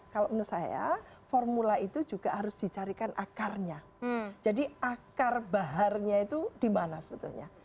kalau menurut saya formula itu juga harus dicarikan akarnya jadi akar baharnya itu di mana sebetulnya